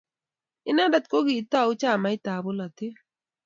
inendet ko kiitou chamaitab bolatet.